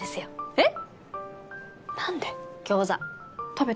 えっ？